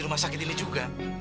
jual kami juga